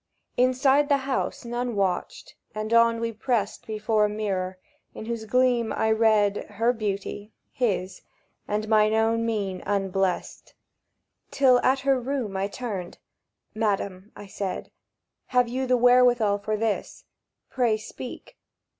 Inside the house none watched; and on we prest Before a mirror, in whose gleam I read Her beauty, his,—and mine own mien unblest; Till at her room I turned. "Madam," I said, "Have you the wherewithal for this? Pray speak.